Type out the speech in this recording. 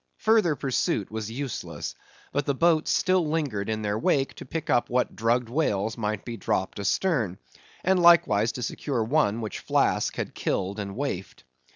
Further pursuit was useless; but the boats still lingered in their wake to pick up what drugged whales might be dropped astern, and likewise to secure one which Flask had killed and waifed.